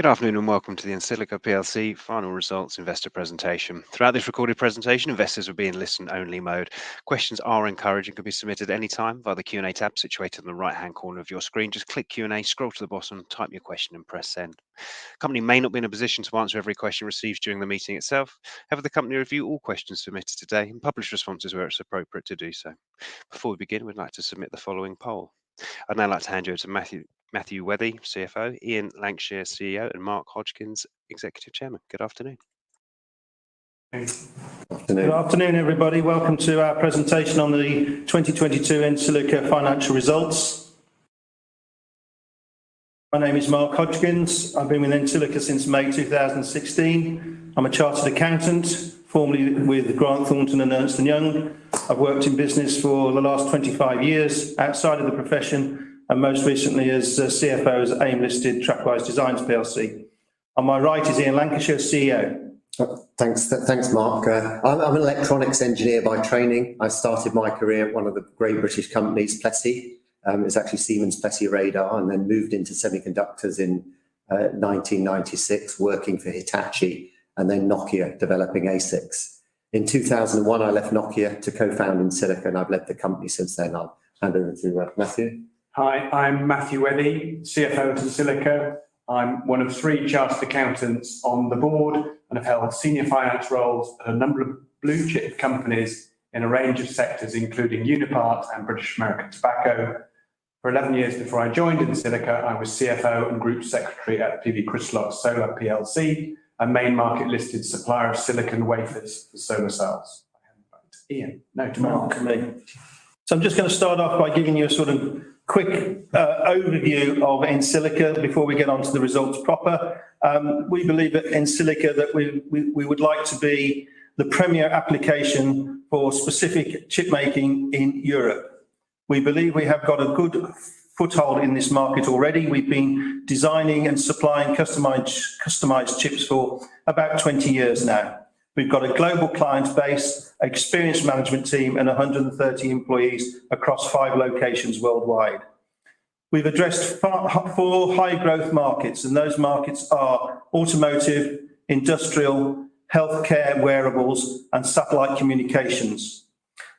Good afternoon and welcome to the EnSilica PLC final results investor presentation. Throughout this recorded presentation, investors will be in listen only mode. Questions are encouraged and can be submitted anytime via the Q&A tab situated in the right-hand corner of your screen. Just click Q&A, scroll to the bottom, type your question and press send. The company may not be in a position to answer every question received during the meeting itself. However, the company review all questions submitted today and publish responses where it's appropriate to do so. Before we begin, we'd like to submit the following poll. I'd now like to hand you over to Matthew Wethey, CFO, Ian Lankshear, CEO, and Mark Hodgkins, Executive Chairman. Good afternoon. Good afternoon. Good afternoon, everybody. Welcome to our presentation on the 2022 EnSilica financial results. My name is Mark Hodgkins. I've been with EnSilica since May 2016. I'm a chartered accountant, formerly with Grant Thornton and Ernst & Young. I've worked in business for the last 25 years outside of the profession and most recently as CFO of AIM-listed Trackwise Designs PLC. On my right is Ian Lankshear, CEO. Thanks, Mark. I'm an electronics engineer by training. I started my career at one of the great British companies, Plessey. It was actually Siemens Plessey Radar, and then moved into semiconductors in 1996, working for Hitachi and then Nokia, developing ASICs. In 2001, I left Nokia to co-found EnSilica, and I've led the company since then. I'll hand over to Matthew. Hi, I'm Matthew Wethey, CFO of EnSilica. I'm one of three chartered accountants on the board and have held senior finance roles at a number of blue-chip companies in a range of sectors, including Unipart and British American Tobacco. For 11 years before I joined EnSilica, I was CFO and group secretary at PV Crystalox Solar plc, a main market-listed supplier of silicon wafers for solar cells. Ian, now to Mark. Thank you. I'm just gonna start off by giving you a sort of quick overview of EnSilica before we get onto the results proper. We believe at EnSilica that we would like to be the premier application for specific chip making in Europe. We believe we have got a good foothold in this market already. We've been designing and supplying customized chips for about 20 years now. We've got a global client base, experienced management team, and 130 employees across five locations worldwide. We've addressed four high-growth markets, and those markets are automotive, industrial, healthcare, wearables, and satellite communications.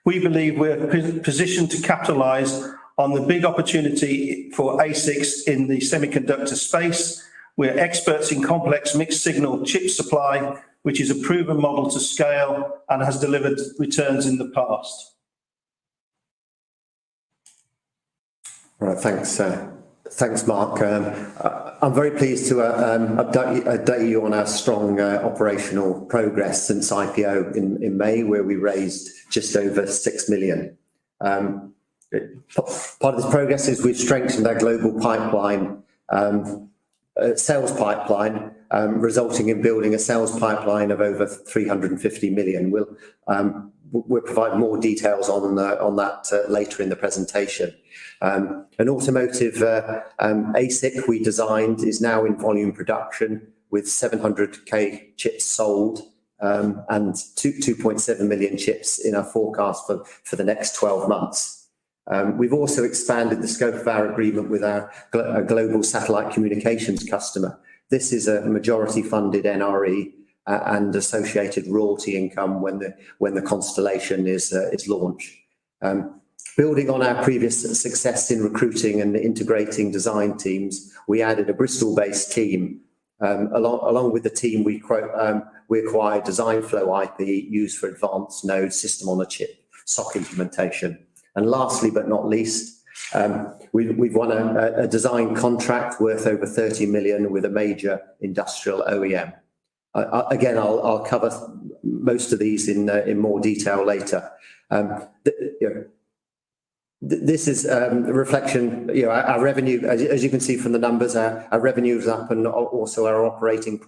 We believe we're positioned to capitalize on the big opportunity for ASICs in the semiconductor space. We're experts in complex mixed-signal chip supply, which is a proven model to scale and has delivered returns in the past. Right. Thanks, Mark. I'm very pleased to update you on our strong operational progress since IPO in May where we raised just over 6 million. Part of this progress is we've strengthened our global sales pipeline, resulting in building a sales pipeline of over 350 million. We'll provide more details on that later in the presentation. An automotive ASIC we designed is now in volume production with 700,000 chips sold, and 2.7 million chips in our forecast for the next twelve months. We've also expanded the scope of our agreement with our global satellite communications customer. This is a majority-funded NRE and associated royalty income when the constellation is launched. Building on our previous success in recruiting and integrating design teams, we added a Bristol-based team. Along with the team, we acquired design flow IP used for advanced node system-on-a-chip SoC implementation. Lastly, but not least, we've won a design contract worth over 30 million with a major industrial OEM. Again, I'll cover most of these in more detail later. This is a reflection, you know, our revenue, as you can see from the numbers, our revenue is up and also our operating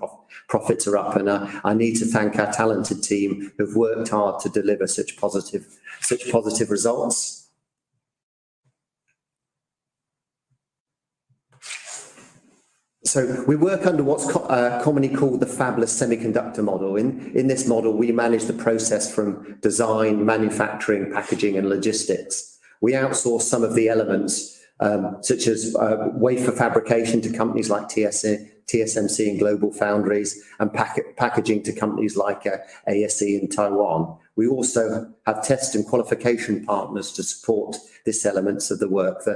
profits are up and I need to thank our talented team who've worked hard to deliver such positive results. We work under what's commonly called the fabless semiconductor model. In this model, we manage the process from design, manufacturing, packaging, and logistics. We outsource some of the elements, such as wafer fabrication to companies like TSMC and GlobalFoundries and packaging to companies like ASE in Taiwan. We also have test and qualification partners to support these elements of the work.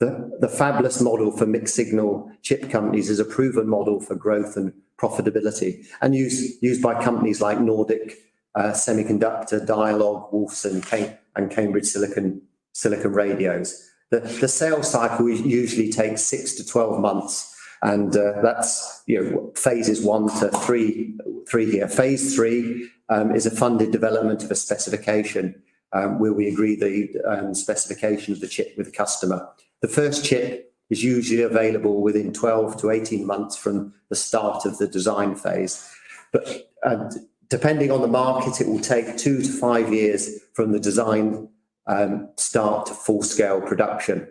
The fabless model for mixed-signal chip companies is a proven model for growth and profitability and used by companies like Nordic Semiconductor, Dialog, Wolfson, and Cambridge Silicon Radio. The sales cycle usually takes 6-12 months, and that's phases 1-3 here. Phase threee is a funded development of a specification, where we agree the specification of the chip with customer. The first chip is usually available within 12-18 months from the start of the design phase. Depending on the market, it will take 2-5 years from the design start to full-scale production.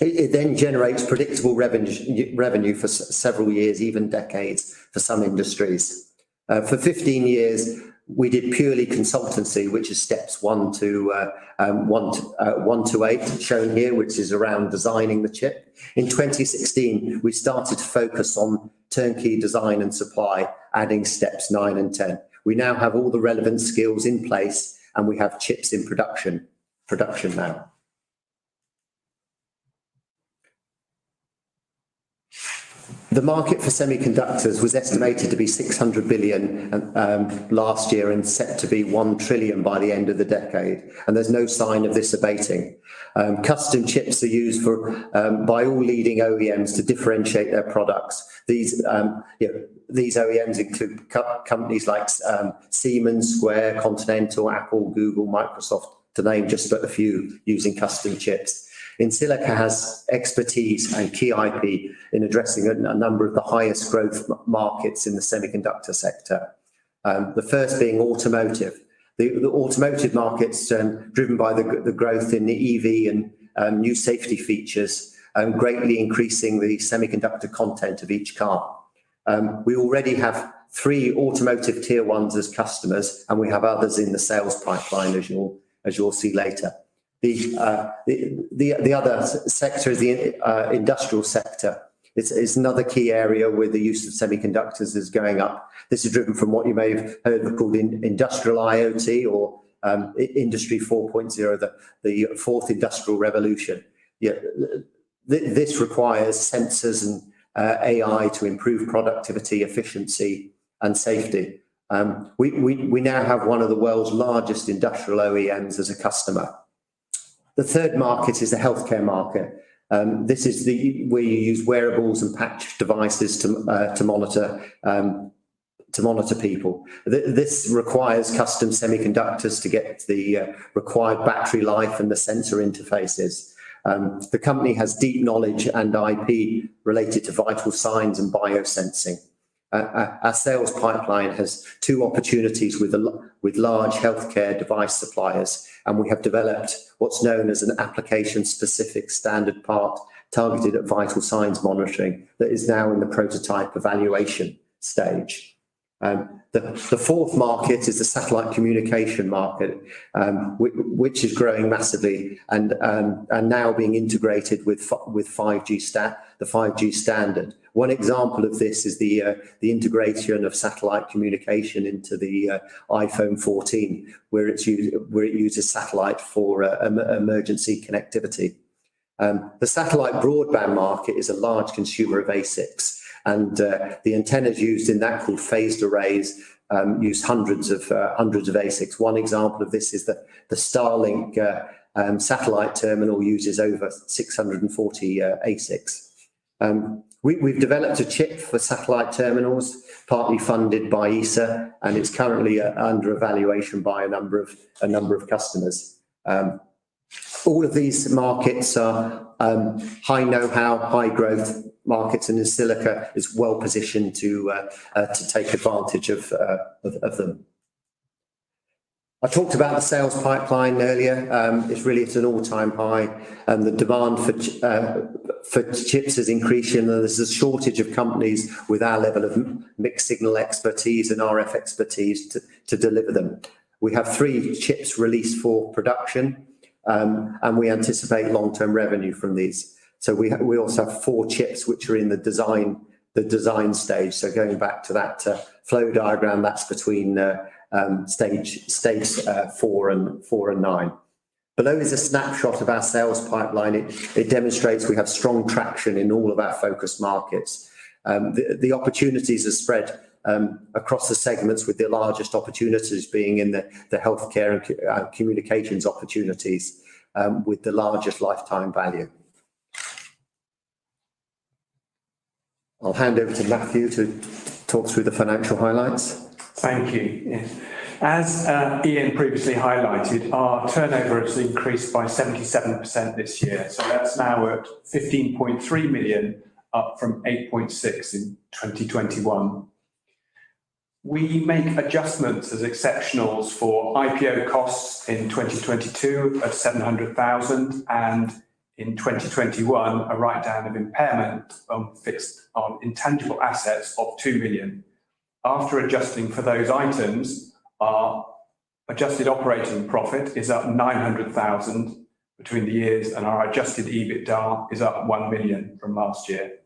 It then generates predictable revenue for several years, even decades for some industries. For 15 years, we did purely consultancy, which is steps 1-8 shown here, which is around designing the chip. In 2016, we started to focus on turnkey design and supply, adding steps 9 and 10. We now have all the relevant skills in place, and we have chips in production now. The market for semiconductors was estimated to be $600 billion last year and set to be $1 trillion by the end of the decade, and there's no sign of this abating. Custom chips are used by all leading OEMs to differentiate their products. These, you know, these OEMs include companies like Siemens, Square, Continental, Apple, Google, Microsoft, to name just but a few using custom chips. EnSilica has expertise and key IP in addressing a number of the highest growth markets in the semiconductor sector, the first being automotive. The automotive market's driven by the growth in the EV and new safety features greatly increasing the semiconductor content of each car. We already have three automotive tier ones as customers, and we have others in the sales pipeline, as you'll see later. The other sector is the industrial sector. It's another key area where the use of semiconductors is going up. This is driven from what you may have heard called industrial IoT or Industry 4.0, the Fourth Industrial Revolution. Yeah, this requires sensors and AI to improve productivity, efficiency, and safety. We now have one of the world's largest industrial OEMs as a customer. The third market is the healthcare market. This is where you use wearables and patch devices to monitor people. This requires custom semiconductors to get the required battery life and the sensor interfaces. The company has deep knowledge and IP related to vital signs and biosensing. Our sales pipeline has two opportunities with large healthcare device suppliers, and we have developed what's known as an application-specific standard part targeted at vital signs monitoring that is now in the prototype evaluation stage. The fourth market is the satellite communication market, which is growing massively and now being integrated with the 5G standard. One example of this is the integration of satellite communication into the iPhone 14, where it uses satellite for emergency connectivity. The satellite broadband market is a large consumer of ASICs, and the antennas used in that called phased arrays use hundreds of ASICs. One example of this is the Starlink satellite terminal uses over 640 ASICs. We've developed a chip for satellite terminals partly funded by ESA, and it's currently under evaluation by a number of customers. All of these markets are high know-how, high growth markets, and EnSilica is well-positioned to take advantage of them. I talked about the sales pipeline earlier. It's really an all-time high, and the demand for chips is increasing. There's a shortage of companies with our level of mixed-signal expertise and RF expertise to deliver them. We have three chips released for production, and we anticipate long-term revenue from these. We also have four chips which are in the design stage, so going back to that flow diagram, that's between stages four and nine. Although it's a snapshot of our sales pipeline, it demonstrates we have strong traction in all of our focus markets. The opportunities are spread across the segments with the largest opportunities being in the healthcare and communications opportunities with the largest lifetime value. I'll hand over to Matthew to talk through the financial highlights. Thank you, yeah. As Ian previously highlighted, our turnover has increased by 77% this year, so that's now at 15.3 million, up from 8.6 million in 2021. We make adjustments as exceptionals for IPO costs in 2022 of 700,000 and in 2021, a write-down of impairment on intangible assets of 2 million. After adjusting for those items, our adjusted operating profit is up 900,000 between the years, and our adjusted EBITDA is up 1 million from last year.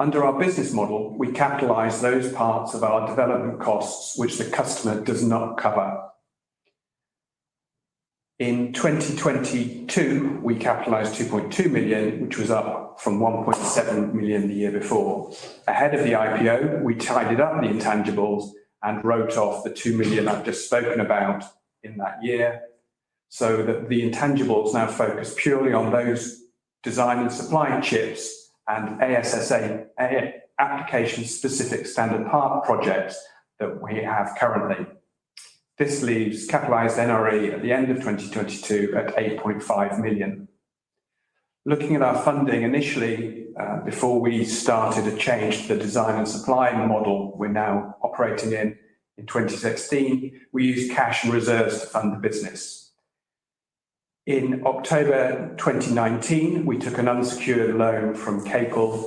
Under our business model, we capitalize those parts of our development costs which the customer does not cover. In 2022, we capitalized 2.2 million, which was up from 1.7 million the year before. Ahead of the IPO, we tidied up the intangibles and wrote off the 2 million I've just spoken about in that year so that the intangibles now focus purely on those design and supply chips and ASSP, application-specific standard part projects that we have currently. This leaves capitalized NRE at the end of 2022 at 8.5 million. Looking at our funding initially, before we started to change the design and supply model we're now operating in 2016, we used cash reserves to fund the business. In October 2019, we took an unsecured loan from KBL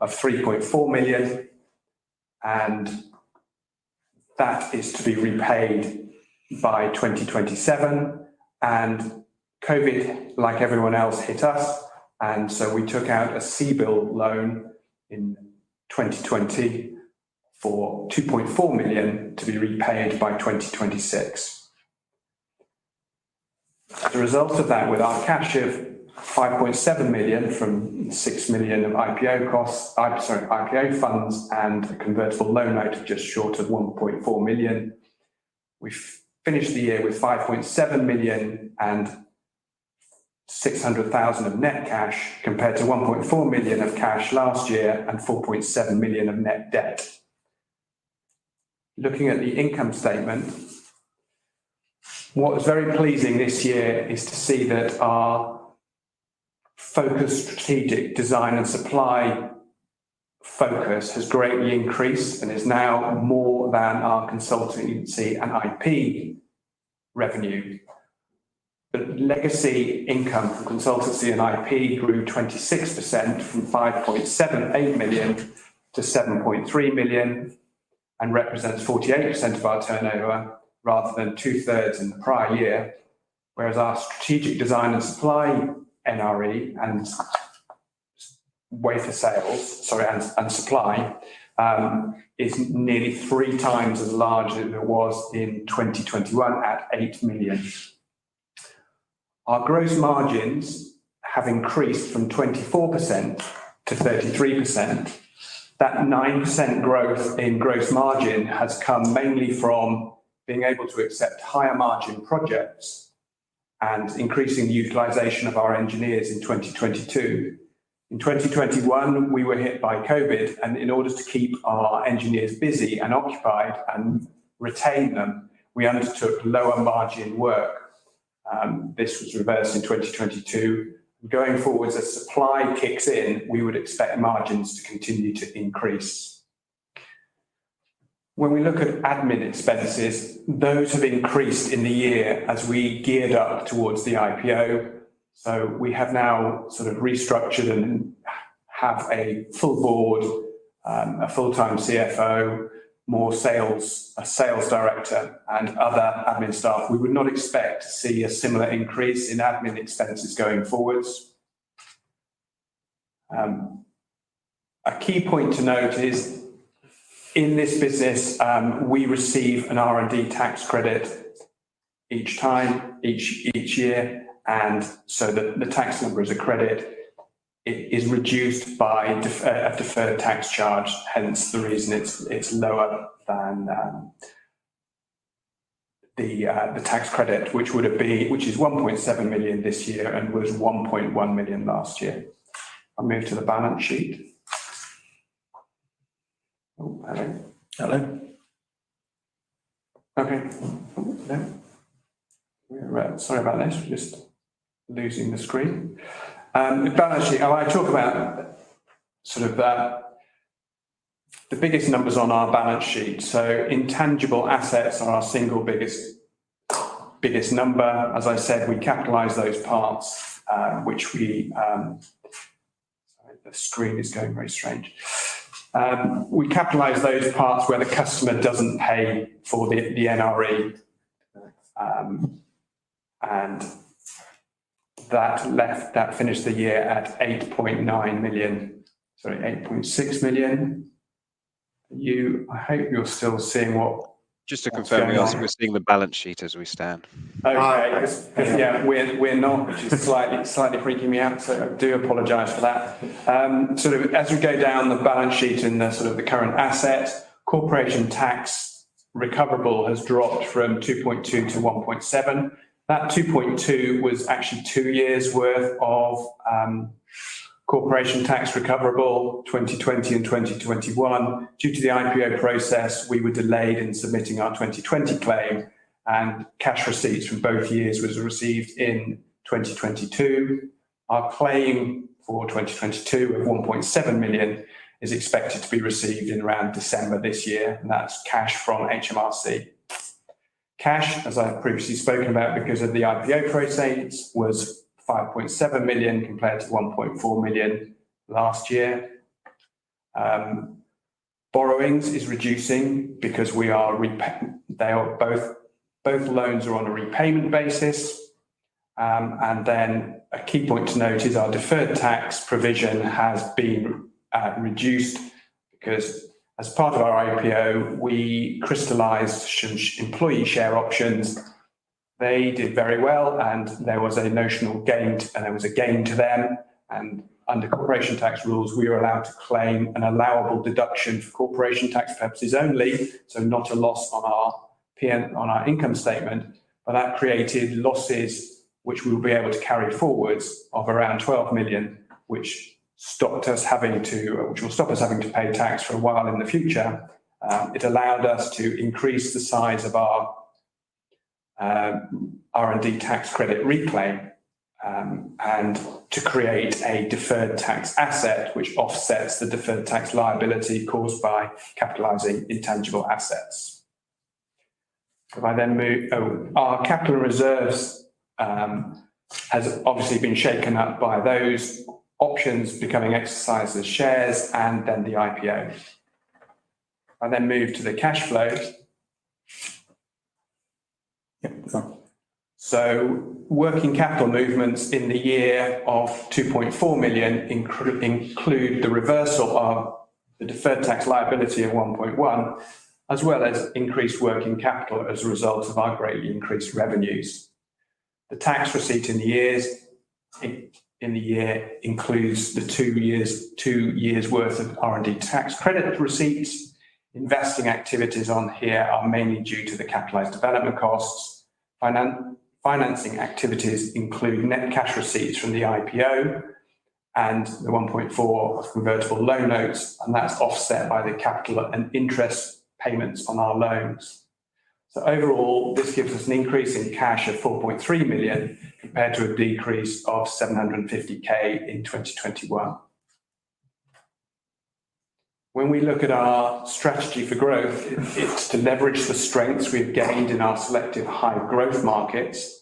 of 3.4 million, and that is to be repaid by 2027. COVID, like everyone else, hit us, and so we took out a CBILS loan in 2020 for 2.4 million to be repaid by 2026. The result of that, with our cash of 5.7 million from 6 million of IPO costs, IPO funds and a convertible loan note of just short of 1.4 million, we finished the year with 5.7 million and 600,000 of net cash, compared to 1.4 million of cash last year and 4.7 million of net debt. Looking at the income statement, what was very pleasing this year is to see that our focused strategic design and supply focus has greatly increased and is now more than our consultancy and IP revenue. Legacy income from consultancy and IP grew 26% from 5.78 million to 7.3 million and represents 48% of our turnover rather than two-thirds in the prior year. Whereas our strategic design and supply NRE and wafers sales is nearly three times as large as it was in 2021 at 8 million. Our gross margins have increased from 24% to 33%. That 9% growth in gross margin has come mainly from being able to accept higher margin projects and increasing utilization of our engineers in 2022. In 2021, we were hit by COVID, and in order to keep our engineers busy and occupied and retain them, we undertook lower margin work. This was reversed in 2022. Going forward, as supply kicks in, we would expect margins to continue to increase. When we look at admin expenses, those have increased in the year as we geared up towards the IPO. We have now sort of restructured and have a full board, a full-time CFO, more sales, a sales director, and other admin staff. We would not expect to see a similar increase in admin expenses going forward. A key point to note is, in this business, we receive an R&D tax credit each year, and so the tax number is a credit. It is reduced by a deferred tax charge, hence the reason it's lower than the tax credit, which is 1.7 million this year and was 1.1 million last year. I'll move to the balance sheet. Oh, hello. Hello. Okay. No. Sorry about this. We're just losing the screen. The balance sheet. I want to talk about sort of the biggest numbers on our balance sheet. Intangible assets are our single biggest number. As I said, we capitalize those parts. Sorry, the screen is going very strange. We capitalize those parts where the customer doesn't pay for the NRE. That finished the year at 8.9 million. Sorry, 8.6 million. I hope you're still seeing what Just to confirm Neil, we're seeing the balance sheet as we stand. Okay. All right. Yeah, we're not, which is slightly freaking me out, so I do apologize for that. As we go down the balance sheet in the sort of the current assets, corporation tax recoverable has dropped from 2.2 million to 1.7 million. That 2.2 was actually two years worth of corporation tax recoverable, 2020 and 2021. Due to the IPO process, we were delayed in submitting our 2020 claim, and cash receipts from both years was received in 2022. Our claim for 2022 of 1.7 million is expected to be received in around December this year, and that's cash from HMRC. Cash, as I have previously spoken about because of the IPO process, was 5.7 million compared to 1.4 million last year. Borrowings is reducing because they are both loans are on a repayment basis. A key point to note is our deferred tax provision has been reduced because as part of our IPO, we crystallized employee share options. They did very well, and there was a notional gain, and it was a gain to them. Under corporation tax rules, we are allowed to claim an allowable deduction for corporation tax purposes only, so not a loss on our income statement. That created losses, which we will be able to carry forwards of around 12 million, which will stop us having to pay tax for a while in the future. It allowed us to increase the size of our R&D tax credit reclaim, and to create a deferred tax asset which offsets the deferred tax liability caused by capitalizing intangible assets. Our capital reserves has obviously been shaken up by those options becoming exercised shares and then the IPO. If I then move to the cash flows. Working capital movements in the year of 2.4 million include the reversal of the deferred tax liability of 1.1 million, as well as increased working capital as a result of our greatly increased revenues. The tax receipt in the year includes 2 years' worth of R&D tax credit receipts. Investing activities on here are mainly due to the capitalized development costs. Financing activities include net cash receipts from the IPO and the 1.4 convertible loan notes, and that's offset by the capital and interest payments on our loans. Overall, this gives us an increase in cash of 4.3 million compared to a decrease of 750K in 2021. When we look at our strategy for growth, it's to leverage the strengths we've gained in our selective high growth markets.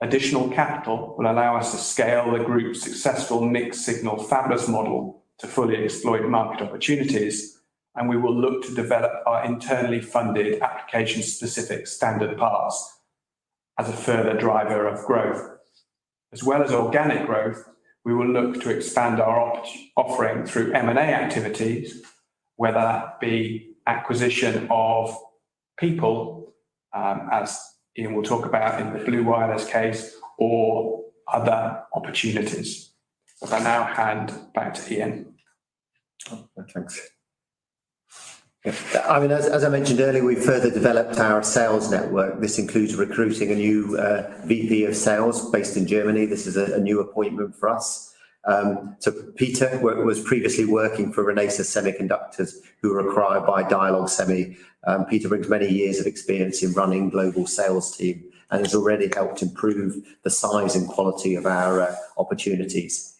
Additional capital will allow us to scale the group's successful mixed-signal fabless model to fully exploit market opportunities, and we will look to develop our internally funded application-specific standard parts as a further driver of growth. As well as organic growth, we will look to expand our offering through M&A activities, whether that be acquisition of people, as Ian will talk about in the Blu Wireless case, or other opportunities. If I now hand back to Ian. Oh, thanks. I mean, as I mentioned earlier, we've further developed our sales network. This includes recruiting a new VP of sales based in Germany. This is a new appointment for us. Peter was previously working for Renesas Electronics, who were acquired by Dialog Semiconductor. Peter brings many years of experience in running global sales team and has already helped improve the size and quality of our opportunities.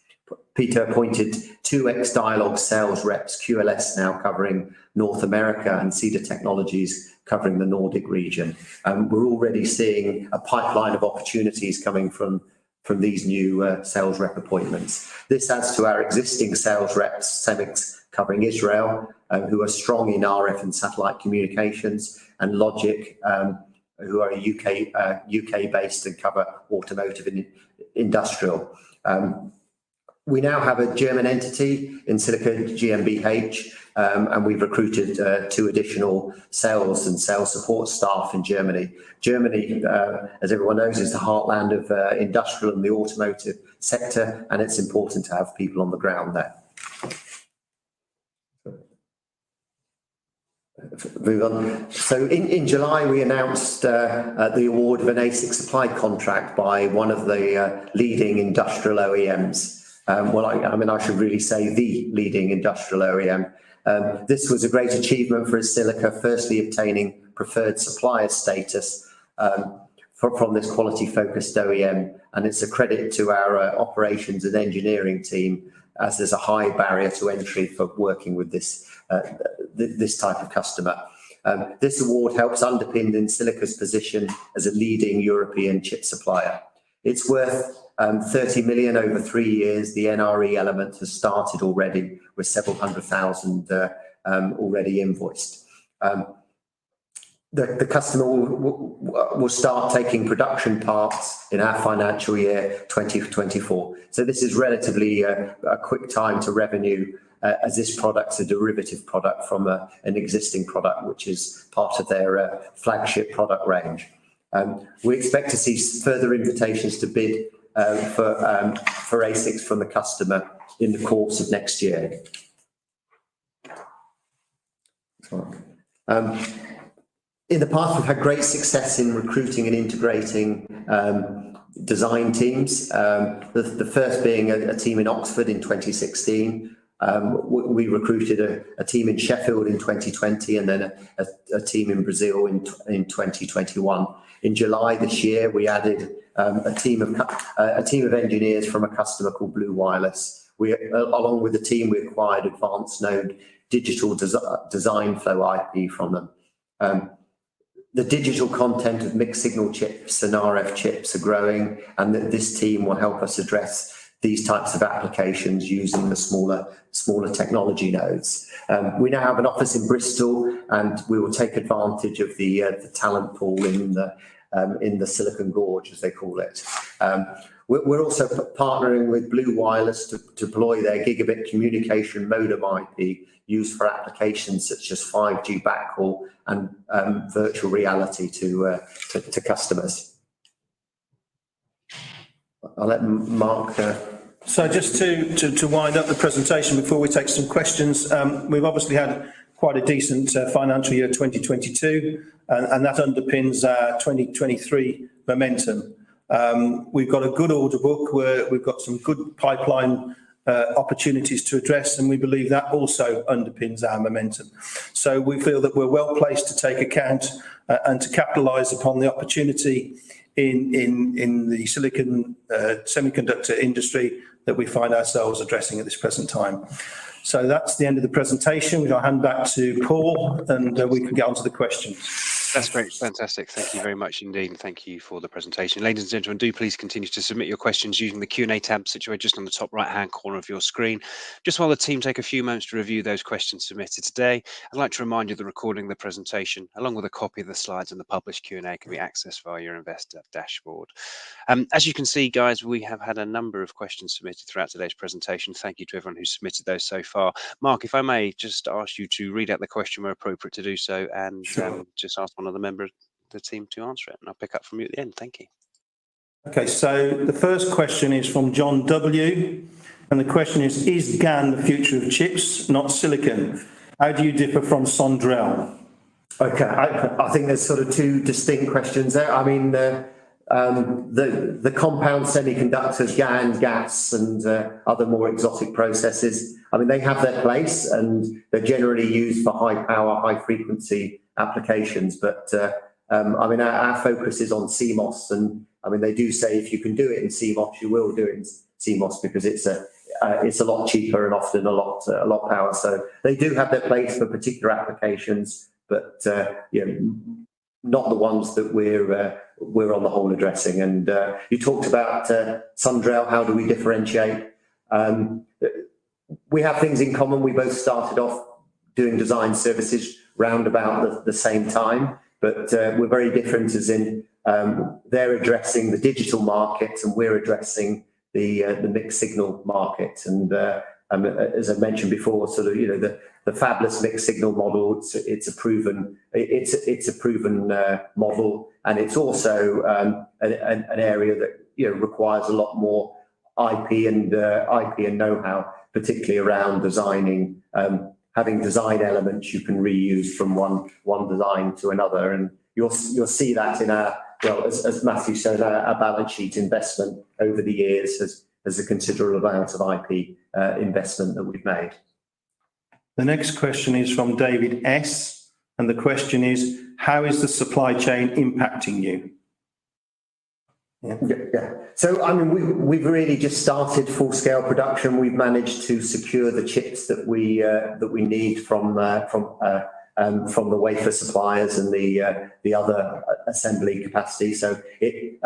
Peter appointed two ex-Dialog sales reps, QLS now covering North America, and Cedar Technologies covering the Nordic region. We're already seeing a pipeline of opportunities coming from these new sales rep appointments. This adds to our existing sales reps, Semix, covering Israel, who are strong in RF and satellite communications, and Logic 360, who are UK-based and cover automotive and industrial. We now have a German entity, EnSilica GmbH, and we've recruited two additional sales and sales support staff in Germany. Germany, as everyone knows, is the heartland of industrial and the automotive sector, and it's important to have people on the ground there. Move on. In July, we announced the award of an ASIC supply contract by one of the leading industrial OEMs. Well, I mean, I should really say the leading industrial OEM. This was a great achievement for EnSilica, firstly obtaining preferred supplier status from this quality-focused OEM, and it's a credit to our operations and engineering team as there's a high barrier to entry for working with this type of customer. This award helps underpin EnSilica's position as a leading European chip supplier. It's worth $30 million over three years. The NRE element has started already with $several hundred thousand already invoiced. The customer will start taking production parts in our financial year 2024. This is relatively a quick time to revenue, as this product's a derivative product from an existing product which is part of their flagship product range. We expect to see further invitations to bid for ASICs from the customer in the course of next year. Mark. In the past, we've had great success in recruiting and integrating design teams. The first being a team in Oxford in 2016. We recruited a team in Sheffield in 2020 and then a team in Brazil in 2021. In July this year, we added a team of engineers from a customer called Blu Wireless. Along with the team, we acquired advanced node digital design flow IP from them. The digital content of mixed-signal chips and RF chips are growing, and this team will help us address these types of applications using the smaller technology nodes. We now have an office in Bristol, and we will take advantage of the talent pool in the Silicon Gorge, as they call it. We're also partnering with Blu Wireless to deploy their gigabit communication modem IP used for applications such as 5G backhaul and virtual reality to customers. I'll let Mark. Just to wind up the presentation before we take some questions, we've obviously had quite a decent financial year 2022, and that underpins our 2023 momentum. We've got a good order book where we've got some good pipeline opportunities to address, and we believe that also underpins our momentum. We feel that we're well-placed to take account and to capitalize upon the opportunity in the silicon semiconductor industry that we find ourselves addressing at this present time. That's the end of the presentation. We'll now hand back to Paul, and we can get onto the questions. That's great. Fantastic. Thank you very much indeed, and thank you for the presentation. Ladies and gentlemen, do please continue to submit your questions using the Q&A tab situated just on the top right-hand corner of your screen. Just while the team take a few moments to review those questions submitted today, I'd like to remind you the recording of the presentation, along with a copy of the slides and the published Q&A, can be accessed via your investor dashboard. As you can see, guys, we have had a number of questions submitted throughout today's presentation. Thank you to everyone who submitted those so far. Mark, if I may just ask you to read out the question where appropriate to do so. Sure Just ask one other member of the team to answer it, and I'll pick up from you at the end. Thank you. Okay, the first question is from John W. The question is: Is GaN the future of chips, not silicon? How do you differ from Sondrel? Okay. I think there's sort of two distinct questions there. I mean, the compound semiconductors, GaNs, GaAs, and other more exotic processes, I mean, they have their place, and they're generally used for high-power, high-frequency applications. I mean, our focus is on CMOS, and I mean, they do say if you can do it in CMOS, you will do it in CMOS because it's a lot cheaper and often a lot less power. They do have their place for particular applications, but you know, not the ones that we're on the whole addressing. You talked about Sondrel. How do we differentiate? We have things in common. We both started off doing design services roundabout the same time. We're very different as in, they're addressing the digital markets, and we're addressing the mixed-signal markets. As I mentioned before, sort of, you know, the fabless mixed-signal model, it's a proven model, and it's also an area that, you know, requires a lot more IP and knowhow, particularly around designing having design elements you can reuse from one design to another. You'll see that in our, well, as Matthew said, our balance sheet investment over the years has a considerable amount of IP investment that we've made. The next question is from David S. The question is: How is the supply chain impacting you? Yeah. Yeah. I mean, we've really just started full-scale production. We've managed to secure the chips that we need from the wafer suppliers and the other assembly capacity. It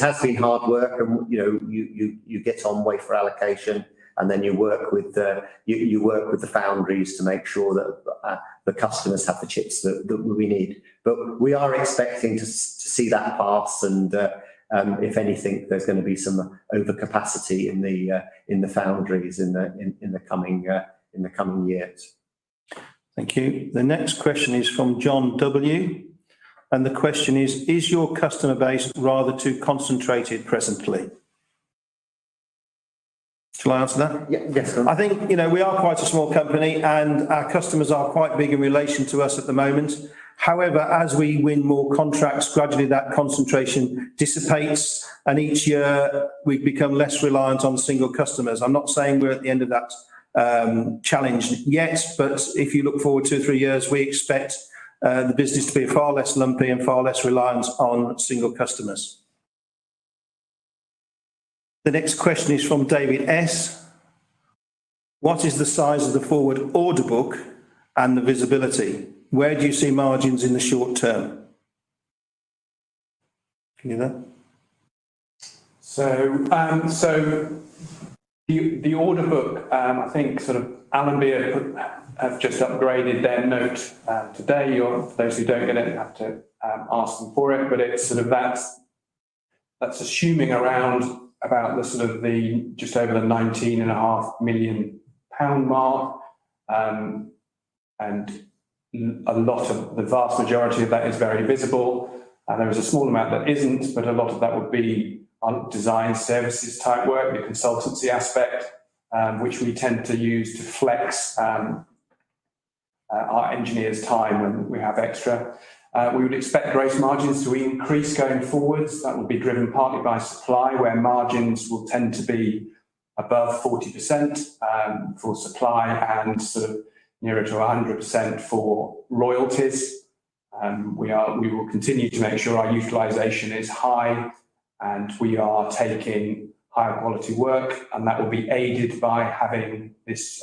has been hard work and, you know, you get on wafer allocation, and then you work with the foundries to make sure that the customers have the chips that we need. We are expecting to see that pass and, if anything, there's gonna be some overcapacity in the foundries in the coming years. Thank you. The next question is from John W. The question is: Is your customer base rather too concentrated presently? Shall I answer that? Yes, sir. I think, you know, we are quite a small company, and our customers are quite big in relation to us at the moment. However, as we win more contracts, gradually that concentration dissipates, and each year we become less reliant on single customers. I'm not saying we're at the end of that challenge yet, but if you look forward two, three years, we expect the business to be far less lumpy and far less reliant on single customers. The next question is from David S.: What is the size of the forward order book and the visibility? Where do you see margins in the short term? Can you hear that? The order book, I think sort of Allenby Capital have just upgraded their note today. Those who don't get it have to ask them for it. It's sort of that's assuming around about the sort of just over 19.5 million pound mark. The vast majority of that is very visible. There is a small amount that isn't, but a lot of that would be design services type work, the consultancy aspect, which we tend to use to flex our engineers' time when we have extra. We would expect gross margins to increase going forward. That would be driven partly by supply, where margins will tend to be above 40% for supply and sort of nearer to 100% for royalties. We will continue to make sure our utilization is high and we are taking higher quality work, and that will be aided by having this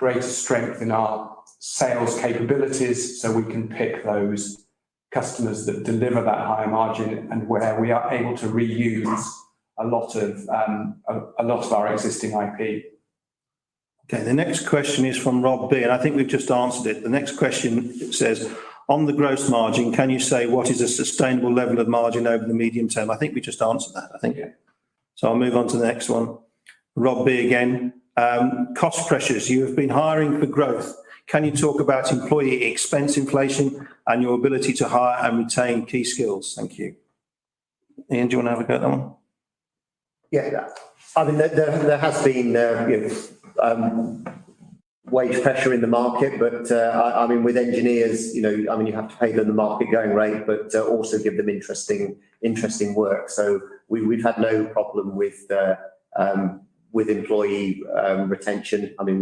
greater strength in our sales capabilities, so we can pick those customers that deliver that higher margin and where we are able to reuse a lot of our existing IP. Okay. The next question is from Rob B. I think we've just answered it. The next question says: On the gross margin, can you say what is a sustainable level of margin over the medium term? I think we just answered that, I think. Yeah. I'll move on to the next one. Rob B. again. Cost pressures. You have been hiring for growth. Can you talk about employee expense inflation and your ability to hire and retain key skills? Thank you. Ian, do you want to have a go at that one? Yeah. I mean, there has been, you know, wage pressure in the market, but I mean, with engineers, you know, I mean, you have to pay them the market-going rate, but also give them interesting work. We've had no problem with employee retention. I mean,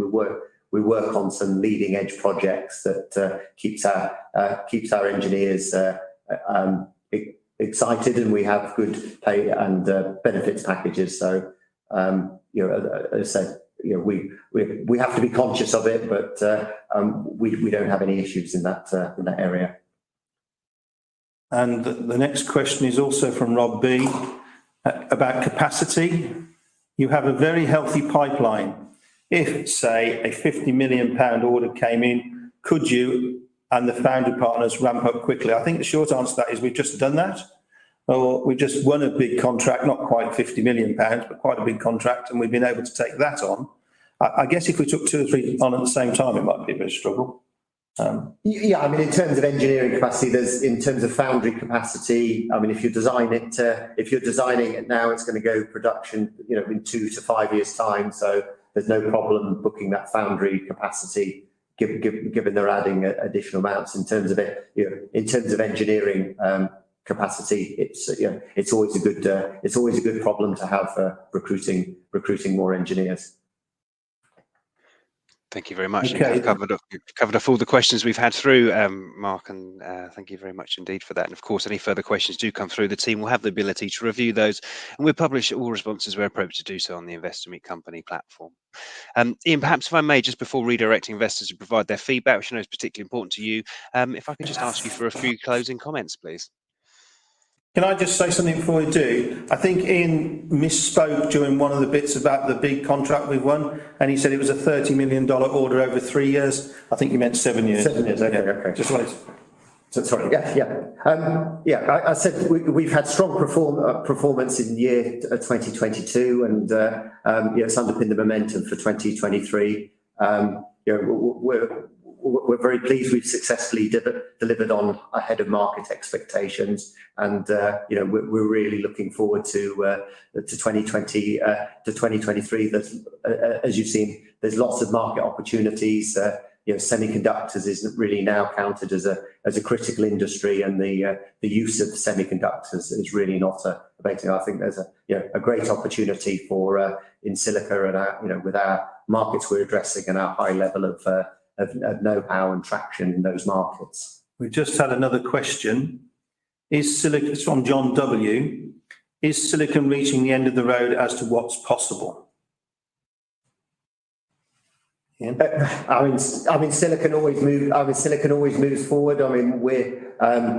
we work on some leading-edge projects that keeps our engineers excited, and we have good pay and benefits packages. You know, as I said, you know, we have to be conscious of it, but we don't have any issues in that area. The next question is also from Rob B. About capacity. You have a very healthy pipeline. If, say, a 50 million pound order came in, could you and the founder partners ramp up quickly? I think the short answer to that is we've just done that, or we just won a big contract, not quite 50 million pounds, but quite a big contract, and we've been able to take that on. I guess if we took two or three on at the same time, it might be a bit of a struggle. Yeah. In terms of foundry capacity, I mean, if you're designing it now, it's gonna go production, you know, in 2-5 years' time, so there's no problem booking that foundry capacity given they're adding additional amounts. In terms of it, you know, in terms of engineering capacity, it's, you know, it's always a good problem to have for recruiting more engineers. Thank you very much. Okay. You've kind of covered off all the questions we've had through, Mark, and thank you very much indeed for that. Of course, any further questions do come through, the team will have the ability to review those, and we'll publish all responses where appropriate to do so on the Investor Meet Company platform. Ian, perhaps if I may, just before redirecting investors to provide their feedback, which I know is particularly important to you, if I could just ask you for a few closing comments, please. Can I just say something before we do? I think Ian misspoke during one of the bits about the big contract we won, and he said it was a $30 million order over three years. I think you meant seven years. Seven years. Okay. Just wanted to. I said we've had strong performance in year 2022, and you know, it's underpinned the momentum for 2023. You know, we're very pleased we've successfully delivered ahead of market expectations and, you know, we're really looking forward to 2023. As you've seen, there's lots of market opportunities. You know, semiconductors is really now counted as a critical industry and the use of semiconductors is really not abating. I think there's a great opportunity for EnSilica with our markets we're addressing and our high level of know-how and traction in those markets. We've just had another question. This is from John W. Is Silicon reaching the end of the road as to what's possible? Ian? I mean, silicon always moves forward. I mean, we're,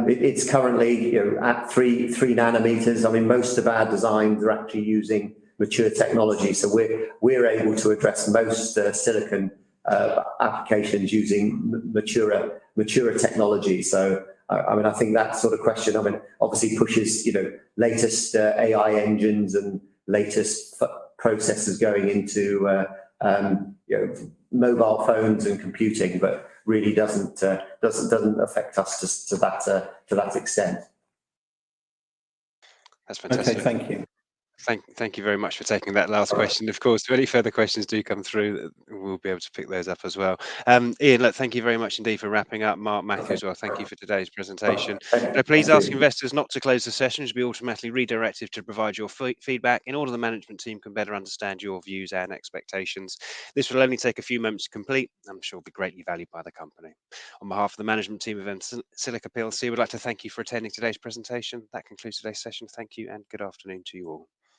it's currently, you know, at 3 nanometers. I mean, most of our designs are actually using mature technology, so we're able to address most silicon applications using mature technology. I mean, I think that sort of question obviously pushes, you know, latest AI engines and latest processors going into mobile phones and computing but really doesn't affect us to that extent. That's fantastic. Okay, thank you. Thank you very much for taking that last question. All right. Of course, if any further questions do come through, we'll be able to pick those up as well. Ian, look, thank you very much indeed for wrapping up. Mark Matthews- All right. Well, thank you for today's presentation. Thank you. Thank you. Please ask investors not to close the session, which will be automatically redirected to provide your feedback in order that the management team can better understand your views and expectations. This will only take a few moments to complete, and I'm sure will be greatly valued by the company. On behalf of the management team of EnSilica plc, we'd like to thank you for attending today's presentation. That concludes today's session. Thank you, and good afternoon to you all.